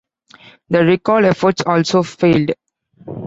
The recall efforts also failed.